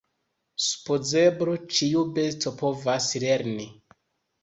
Supozeble ĉiu besto povas lerni.